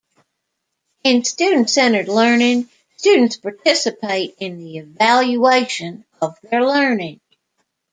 In student-centered learning, students participate in the evaluation of their learning.